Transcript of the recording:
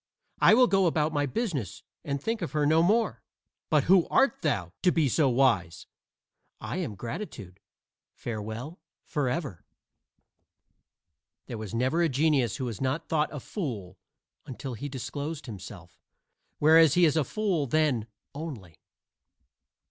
I will go about my business and think of her no more. But who art thou, to be so wise?" "I am Gratitude farewell forever." There was never a genius who was not thought a fool until he disclosed himself; whereas he is a fool then only.